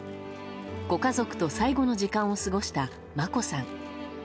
ご家族と最後の時間を過ごした眞子さん。